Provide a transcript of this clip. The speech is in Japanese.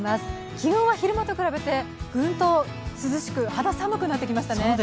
気温は昼間と比べてぐんと涼しく肌寒くなってきましたね。